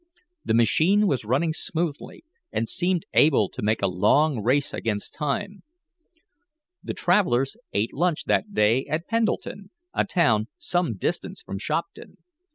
The machine was running smoothly, and seemed able to make a long race against time. The travelers ate lunch that day at Pendleton, a town some distance from Shopton.